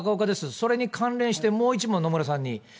それに関連して、もう一問、野村さんに。